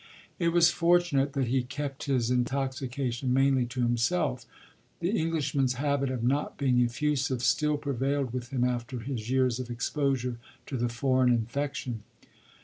It was fortunate that he kept his intoxication mainly to himself: the Englishman's habit of not being effusive still prevailed with him after his years of exposure to the foreign infection.